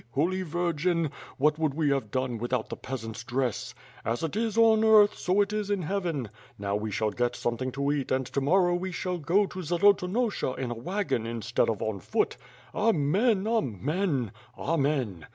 .... Holy Virgin What would we have done without the peasants' dress As it is on earth, so it is in heaven. Now we shall get something to eat and to morrow we will go to Zolotonosha in a wagon in stead of on foot Amen, Amen, Amen.